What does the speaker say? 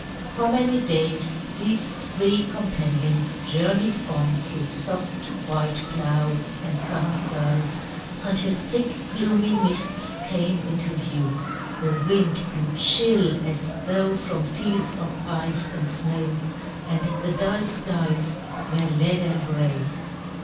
For many days these three companions journeyed on through soft white clouds and summer skies until thick, gloomy mists came into view. The wind blew chill as though from fields of ice and snow, and the dull skies were leaden gray.